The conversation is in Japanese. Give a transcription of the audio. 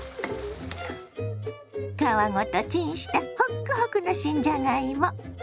皮ごとチンしたほっくほくの新じゃがいも。